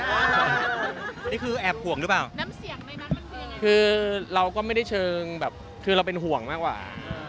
นี่คือแอบห่วงหรือเปล่าคือเราก็ไม่ได้เชิงแบบคือเราเป็นห่วงมากกว่า